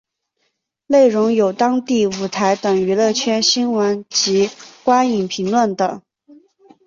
内容有当地舞台等娱乐圈新闻及观影评论等。